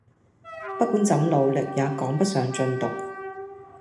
不管怎努力也趕不上進度